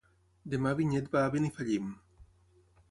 Demà na Vinyet va a Benifallim.